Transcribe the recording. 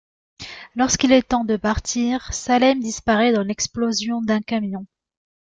Lorsqu'il est temps de partir, Salem disparaît dans l'explosion d'un camion.